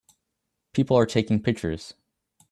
People are taking pictures